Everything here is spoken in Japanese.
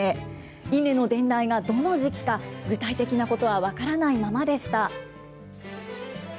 イネの伝来がどの時期か、具体的なことは分からないままでした。